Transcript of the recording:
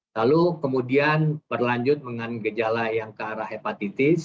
lalu kemudian berlanjut dengan gejala yang ke arah hepatitis